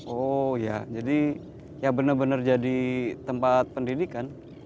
oh ya jadi ya benar benar jadi tempat pendidikan